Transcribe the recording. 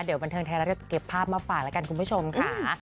เดี๋ยวบันเทิงไทยรัฐจะเก็บภาพมาฝากแล้วกันคุณผู้ชมค่ะ